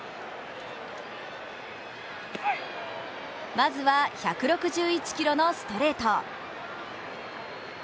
まずは１６１キロのストレート。